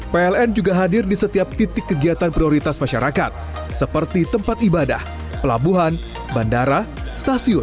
pln juga hadir di setiap titik kegiatan prioritas masyarakat seperti tempat ibadah pelabuhan bandara stasiun